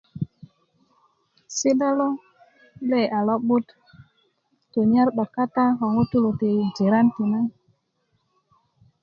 si'da lo lee a lo'but tunyar 'dok kata ko ŋutuu ti jiran tina